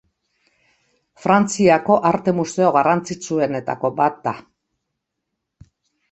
Frantziako arte museo garrantzitsuenetako bat da.